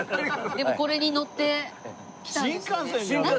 でもこれに乗って来たんですよね？